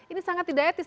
ini sangat tidak etis